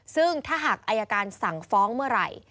ซึ่งถ้าหากอายการสั่งฟ้องเมื่อไหร่